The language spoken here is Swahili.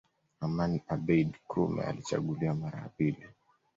Aman Abeid Krume alichaguliwa mara ya pili